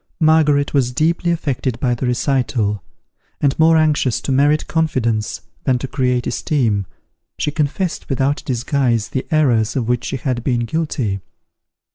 Margaret was deeply affected by the recital; and more anxious to merit confidence than to create esteem, she confessed without disguise, the errors of which she had been guilty.